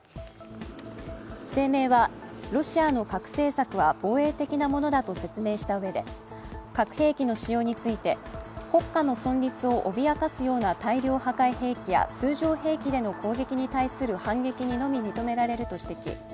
声明は、ロシアの核政策は防衛的なものだと説明したうえで核兵器の使用について国家の存立を脅かすような大量破壊兵器や通常兵器での攻撃に対する反撃にのみ認められると指摘。